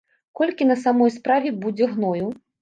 Колькі на самой справе будзе гною?